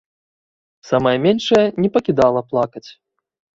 Самая меншая не пакідала плакаць.